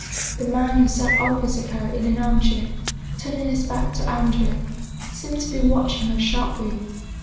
The man who sat opposite her in an armchair, turning his back to Andrea, seemed to be watching her sharply.